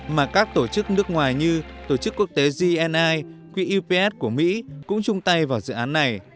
mà các tổ chức nước ngoài như tổ chức quốc tế gni qps của mỹ cũng chung tay vào dự án này